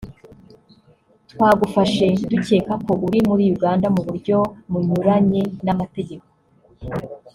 twagufashe ducyeka ko uri muri Uganda mu buryo munyuranye n’amategeko